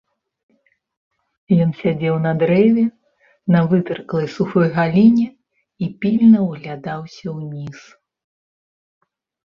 Ён сядзеў на дрэве, на вытырклай сухой галіне і пільна ўглядаўся ўніз.